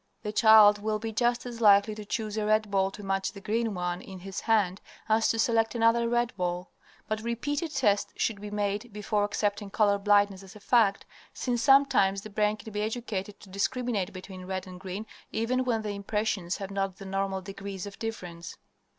The child will be just as likely to choose a red ball to match the green one in his hand as to select another red ball. But repeated tests should be made before accepting color blindness as a fact, since sometimes the brain can be educated to discriminate between red and green even when the impressions have not the normal degree of difference.